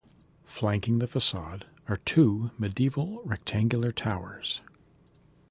Flanking the facade are two medieval rectangular towers.